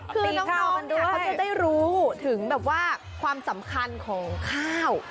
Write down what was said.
คือน้องดูเขาจะได้รู้ถึงแบบว่าความสำคัญของข้าว